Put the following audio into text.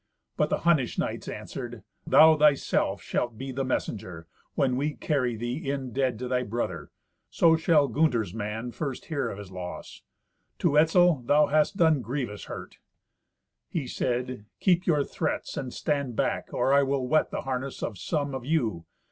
But the Hunnish knights answered, "Thou, thyself, shalt be the messenger, when we carry thee in dead to thy brother. So shall Gunther's man first hear of his loss. To Etzel thou hast done grievous hurt." He said, "Keep your threats, and stand back, or I will wet the harness of some of you.